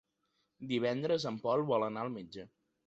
Divendres en Pol vol anar al metge.